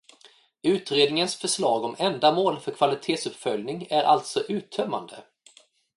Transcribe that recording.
Utredningens förslag om ändamål för kvalitetsuppföljning är alltså uttömmande.